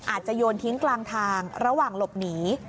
โยนทิ้งกลางทางระหว่างหลบหนี